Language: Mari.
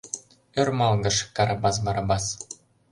— ӧрмалгыш Карабас Барабас.